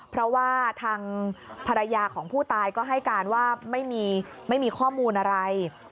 เพราะว่าทางภรรยาของผู้ตายก็ให้การว่าไม่มีข้อมูลอะไร